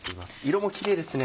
色もキレイですね。